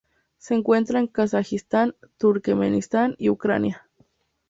Se encuentra en Kazajistán, Turkmenistán y Ucrania.